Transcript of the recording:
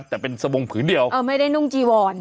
แต่เป็นสบงผืนเดียวไม่ได้นุ่งจีวอน